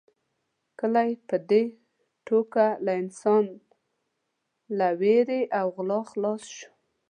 کلی په دې توګه له انسان له وېرې او غلا خلاص شو.